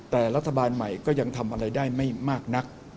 แต่รัฐบาลใหม่ก็ยังทำอะไรได้ไม่มากนัก